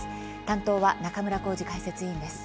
担当は中村幸司解説委員です。